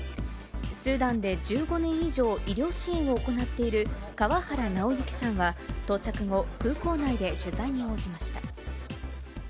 スーダンで１５年以上医療支援を行っている、川原尚行さんは到着後、空港内で取材に応じました。